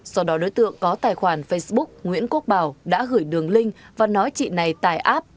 sau đó đối tượng có tài khoản facebook nguyễn quốc bảo đã gửi đường link và nói chị này tài app